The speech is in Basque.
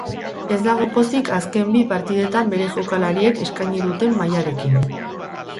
Ez dago pozik azken bi partidetan bere jokalariek eskaini duten mailarekin.